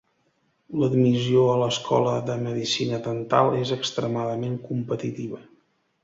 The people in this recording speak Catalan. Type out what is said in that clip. L'admissió a l'Escola de Medicina Dental és extremadament competitiva.